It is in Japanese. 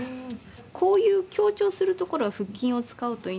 こういう強調するところは腹筋を使うといいんです。